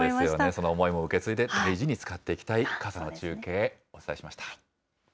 その思いも受け継いで大事に使っていきたい、傘の中継、お伝えしました。